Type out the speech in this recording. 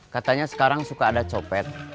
katanya sekarang suka ada copet